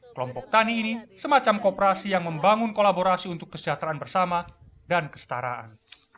kelompok tani ini semacam kooperasi yang membangun kolaborasi untuk kesejahteraan bersama dan kestaraan